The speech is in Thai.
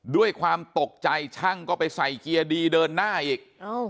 ด้วยความตกใจช่างก็ไปใส่เกียร์ดีเดินหน้าอีก